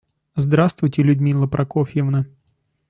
Здравствуйте, Людмила Прокофьевна!